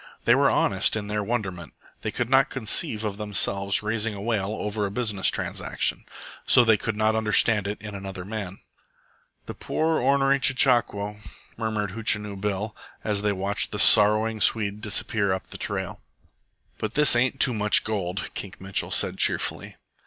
They were honest in their wonderment. They could not conceive of themselves raising a wail over a business transaction, so they could not understand it in another man. "The poor, ornery chechaquo," murmured Hootchinoo Bill, as they watched the sorrowing Swede disappear up the trail. "But this ain't Too Much Gold," Kink Mitchell said cheerfully.